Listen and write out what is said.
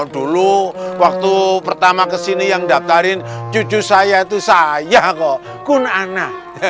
dulu waktu pertama kesini yang daftarin cucu saya itu saya kok kunana